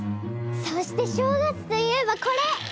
そして正月といえばこれ！